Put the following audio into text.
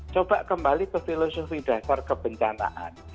coba kembali ke filosofi dasar kebencanaan